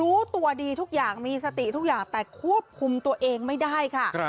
รู้ตัวดีทุกอย่างมีสติทุกอย่างแต่ควบคุมตัวเองไม่ได้ค่ะ